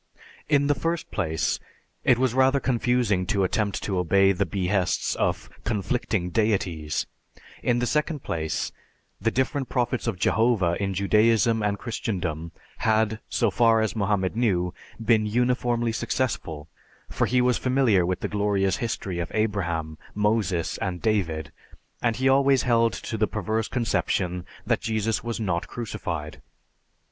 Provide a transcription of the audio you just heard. _) In the first place, it was rather confusing to attempt to obey the behests of conflicting deities; in the second place, the different prophets of Jehovah in Judaism and Christendom had, so far as Mohammed knew, been uniformly successful, for he was familiar with the glorious history of Abraham, Moses, and David, and he always held to the perverse conception that Jesus was not crucified.